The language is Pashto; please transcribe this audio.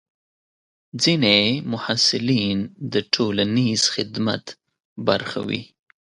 ځینې محصلین د ټولنیز خدمت برخه وي.